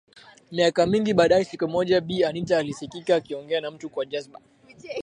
Miaka mingi baadae siku moja Bi Anita alisikika akiongea na mtu kwa jazba